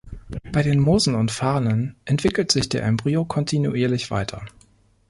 Bei den Moosen und Farnen entwickelt sich der Embryo kontinuierlich weiter.